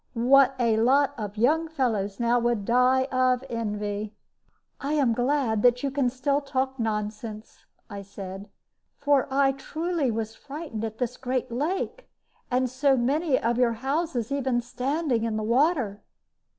What a lot of young fellows now would die of envy " "I am glad that you still can talk nonsense," I said; "for I truly was frightened at this great lake, and so many of your houses even standing in the water."